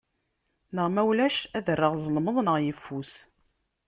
Neɣ ma ulac ad rreɣ zelmeḍ neɣ yeffus.